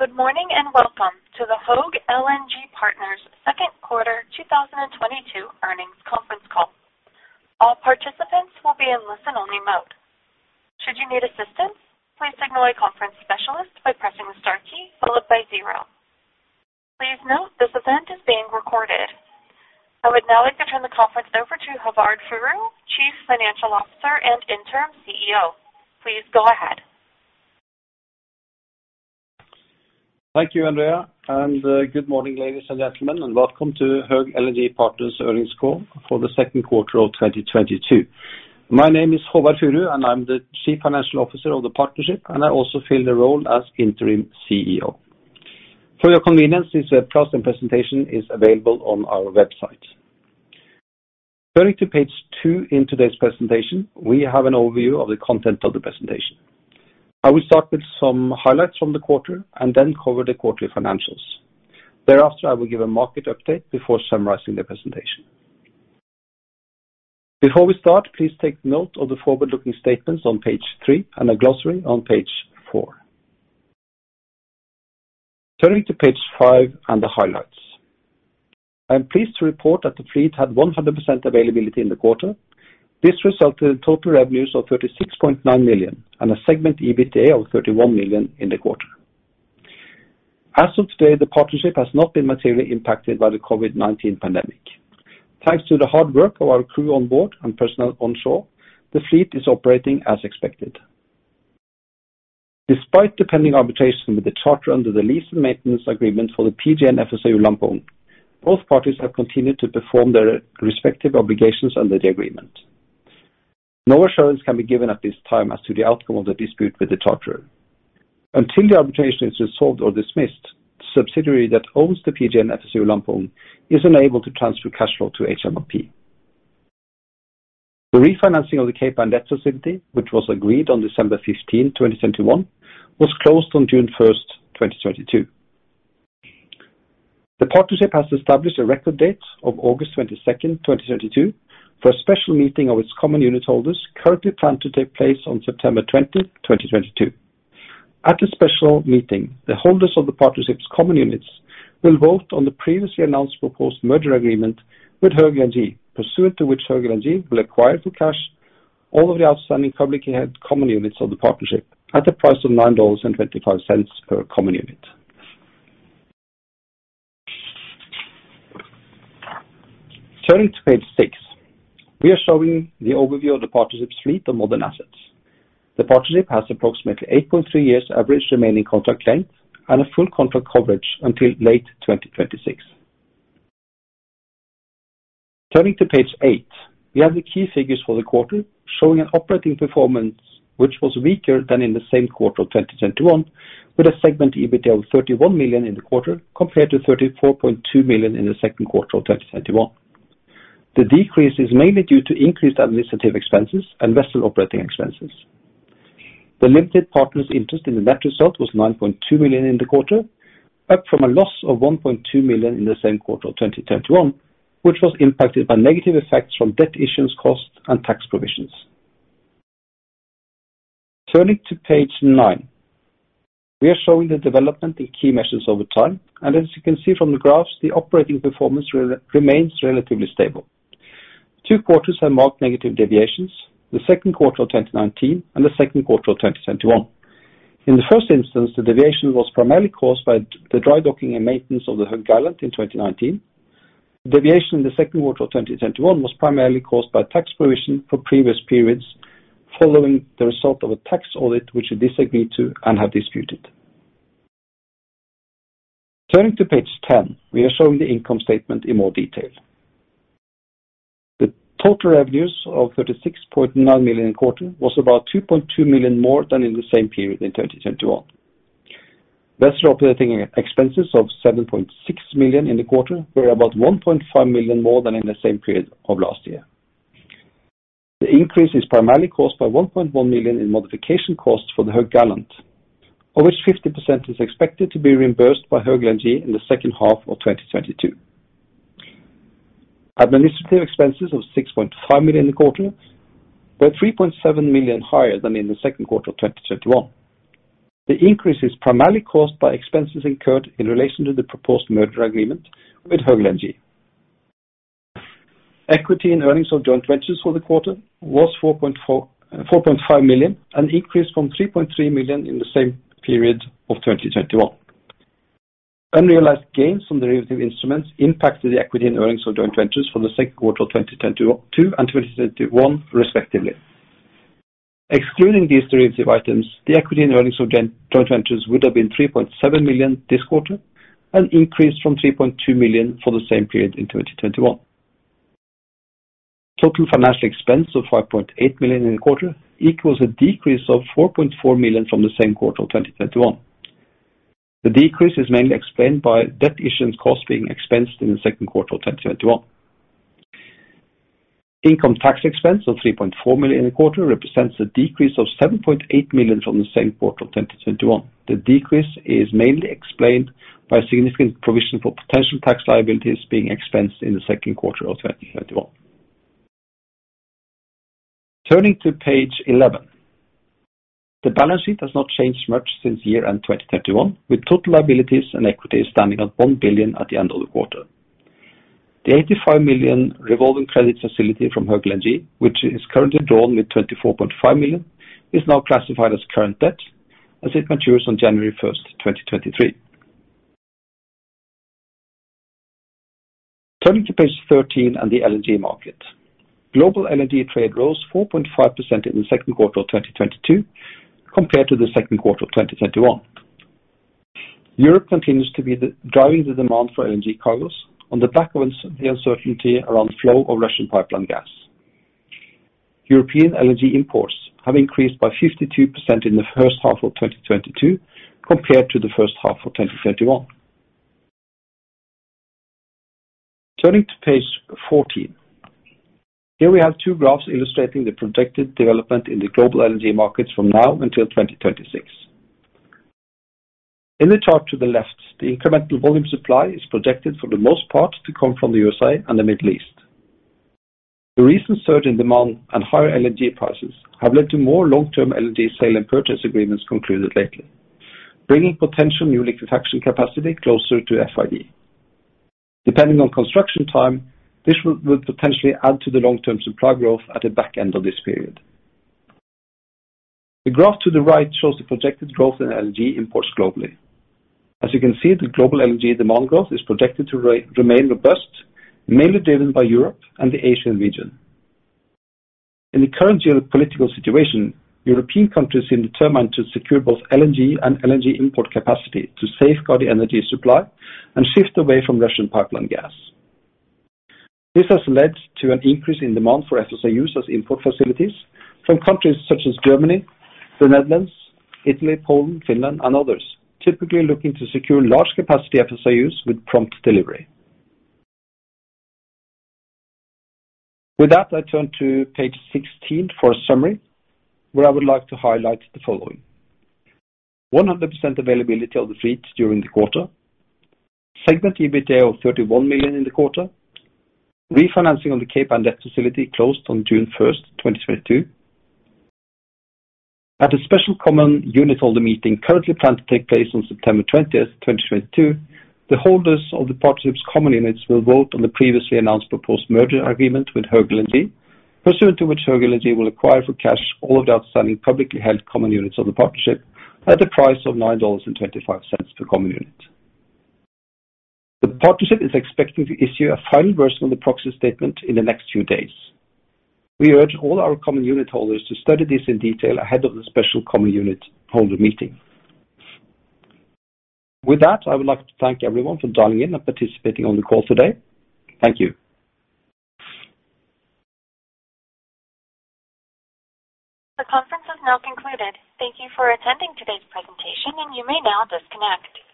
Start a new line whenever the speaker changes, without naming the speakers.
Good morning, and welcome to the Höegh LNG Partners second quarter 2022 earnings conference call. All participants will be in listen-only mode. Should you need assistance, please signal a conference specialist by pressing the star key followed by zero. Please note this event is being recorded. I would now like to turn the conference over to Håvard Furu, Chief Financial Officer and Interim CEO. Please go ahead.
Thank you, Andrea, and good morning, ladies and gentlemen, and welcome to Höegh LNG Partners earnings call for the second quarter of 2022. My name is Håvard Furu, and I'm the Chief Financial Officer of the partnership, and I also fill the role as Interim CEO. For your convenience, this webcast and presentation is available on our website. Turning to page 2 in today's presentation, we have an overview of the content of the presentation. I will start with some highlights from the quarter and then cover the quarterly financials. Thereafter, I will give a market update before summarizing the presentation. Before we start, please take note of the forward-looking statements on page 3 and a glossary on page 4. Turning to page 5 and the highlights. I am pleased to report that the fleet had 100% availability in the quarter. This resulted in total revenues of $36.9 million and a segment EBITDA of $31 million in the quarter. As of today, the partnership has not been materially impacted by the COVID-19 pandemic. Thanks to the hard work of our crew on board and personnel onshore, the fleet is operating as expected. Despite the pending arbitration with the charterer under the lease and maintenance agreement for the PGN FSRU Lampung, both parties have continued to perform their respective obligations under the agreement. No assurance can be given at this time as to the outcome of the dispute with the charterer. Until the arbitration is resolved or dismissed, the subsidiary that owns the PGN FSRU Lampung is unable to transfer cash flow to HMLP. The refinancing of the Cape Ann debt facility, which was agreed on December 15, 2021, was closed on June 1, 2022. The partnership has established a record date of August 22, 2022 for a special meeting of its common unitholders, currently planned to take place on September 20, 2022. At the special meeting, the holders of the partnership's common units will vote on the previously announced proposed merger agreement with Höegh LNG, pursuant to which Höegh LNG will acquire for cash all of the outstanding publicly held common units of the partnership at a price of $9.25 per common unit. Turning to page 6. We are showing the overview of the partnership suite of modern assets. The partnership has approximately 8.3 years average remaining contract length and a full contract coverage until late 2026. Turning to page 8. We have the key figures for the quarter showing an operating performance which was weaker than in the same quarter of 2021, with a segment EBITDA of $31 million in the quarter compared to $34.2 million in the second quarter of 2021. The decrease is mainly due to increased administrative expenses and vessel operating expenses. The limited partner's interest in the net result was $9.2 million in the quarter, up from a loss of $1.2 million in the same quarter of 2021, which was impacted by negative effects from debt issues, costs, and tax provisions. Turning to page nine. We are showing the development in key measures over time. As you can see from the graphs, the operating performance remains relatively stable. Two quarters have marked negative deviations: the second quarter of 2019 and the second quarter of 2021. In the first instance, the deviation was primarily caused by the dry docking and maintenance of the Höegh Gallant in 2019. The deviation in the second quarter of 2021 was primarily caused by tax provision for previous periods following the result of a tax audit which we disagree with and have disputed. Turning to page 10. We are showing the income statement in more detail. The total revenues of $36.9 million a quarter was about $2.2 million more than in the same period in 2021. Vessel operating expenses of $7.6 million in the quarter were about $1.5 million more than in the same period of last year. The increase is primarily caused by $1.1 million in modification costs for the Höegh Gallant, of which 50% is expected to be reimbursed by Höegh LNG in the second half of 2022. Administrative expenses of $6.5 million a quarter were $3.7 million higher than in the second quarter of 2021. The increase is primarily caused by expenses incurred in relation to the proposed merger agreement with Höegh LNG. Equity and earnings of joint ventures for the quarter was $4.5 million, an increase from $3.3 million in the same period of 2021. Unrealized gains from the derivative instruments impacted the equity and earnings of joint ventures for the second quarter of 2022 and 2021 respectively. Excluding these derivative items, the equity in earnings of joint ventures would have been $3.7 million this quarter, an increase from $3.2 million for the same period in 2021. Total financial expense of $5.8 million in the quarter equals a decrease of $4.4 million from the same quarter of 2021. The decrease is mainly explained by debt issuance costs being expensed in the second quarter of 2021. Income tax expense of $3.4 million in the quarter represents a decrease of $7.8 million from the same quarter of 2021. The decrease is mainly explained by significant provision for potential tax liabilities being expensed in the second quarter of 2021. Turning to page 11. The balance sheet has not changed much since year-end 2021, with total liabilities and equity standing at $1 billion at the end of the quarter. The $85 million revolving credit facility from Höegh LNG, which is currently drawn with $24.5 million, is now classified as current debt as it matures on January 1, 2023. Turning to page 13 and the LNG market. Global LNG trade rose 4.5% in the second quarter of 2022 compared to the second quarter of 2021. Europe continues to be driving the demand for LNG cargoes on the back of the uncertainty around the flow of Russian pipeline gas. European LNG imports have increased by 52% in the first half of 2022 compared to the first half of 2021. Turning to page 14. Here we have two graphs illustrating the projected development in the global LNG markets from now until 2036. In the chart to the left, the incremental volume supply is projected for the most part to come from the USA and the Middle East. The recent surge in demand and higher LNG prices have led to more long-term LNG sale and purchase agreements concluded lately, bringing potential new liquefaction capacity closer to FID. Depending on construction time, this will potentially add to the long-term supply growth at the back end of this period. The graph to the right shows the projected growth in LNG imports globally. As you can see, the global LNG demand growth is projected to remain robust, mainly driven by Europe and the Asian region. In the current geopolitical situation, European countries seem determined to secure both LNG and LNG import capacity to safeguard the energy supply and shift away from Russian pipeline gas. This has led to an increase in demand for FSRUs as import facilities from countries such as Germany, the Netherlands, Italy, Poland, Finland, and others, typically looking to secure large capacity FSRUs with prompt delivery. With that, I turn to page 16 for a summary where I would like to highlight the following. 100% availability of the fleet during the quarter. Segment EBITDA of $31 million in the quarter. Refinancing on the Cape Ann debt facility closed on June first, 2022. At a special common unitholder meeting currently planned to take place on September 20th, 2022, the holders of the Partnership's common units will vote on the previously announced proposed merger agreement with Höegh LNG, pursuant to which Höegh LNG will acquire for cash all of the outstanding publicly held common units of the Partnership at the price of $9.25 per common unit. The Partnership is expecting to issue a final version of the proxy statement in the next few days. We urge all our common unitholders to study this in detail ahead of the special common unitholder meeting. With that, I would like to thank everyone for dialing in and participating on the call today. Thank you.
The conference has now concluded. Thank you for attending today's presentation, and you may now disconnect.